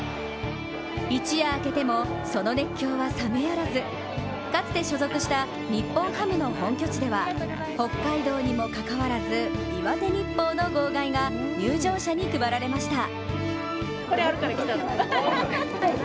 一夜明けてもその熱狂は冷めやらず、かつて所属した日本ハムの本拠地では北海道にもかかわらず「岩手日報」の号外が入場者に配られました。